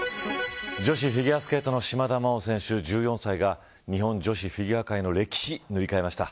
女子フィギュアスケートの島田麻央選手、１４歳が日本女子フィギュア界の歴史塗り替えました。